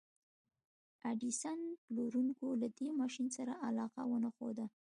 د ايډېسن پلورونکو له دې ماشين سره علاقه ونه ښوده.